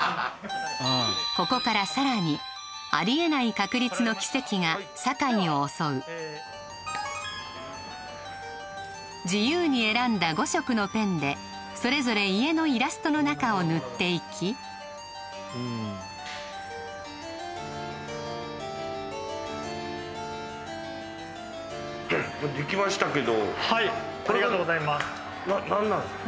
ここからさらにありえない確率の奇跡が酒井を襲う自由に選んだ５色のペンでそれぞれ家のイラストの中を塗っていきできましたけどはいありがとうございます